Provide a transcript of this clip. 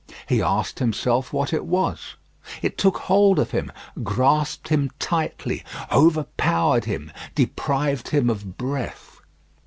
He asked himself what it was. It took hold of him, grasped him tightly, overpowered him, deprived him of breath.